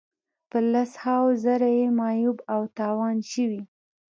په لس هاوو زره یې معیوب او تاوان شوي.